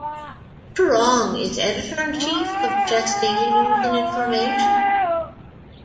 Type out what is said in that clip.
Truong is Editor-in-Chief of "Chess Daily News and Information".